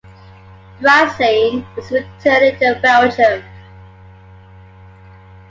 Brassine is returning to Belgium.